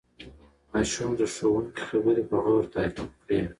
ماشوم د ښوونکي خبرې په غور تعقیب کړې